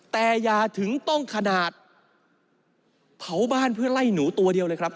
แต่อย่าถึงต้องขนาดเผาบ้านเพื่อไล่หนูตัวเดียวเลยครับ